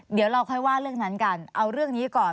เดี๋ยวเราค่อยว่าเรื่องนั้นกันเอาเรื่องนี้ก่อน